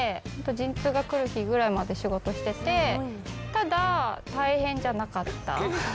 陣痛が来る日ぐらいまで仕事してて、ただ、大変じゃなかった。